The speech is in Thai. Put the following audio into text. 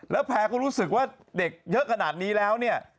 แล้วแพร่ก็รู้สึกว่าเด็กเยอะขนาดนี้แล้วเนี่ย